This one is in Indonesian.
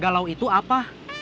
galau itu apa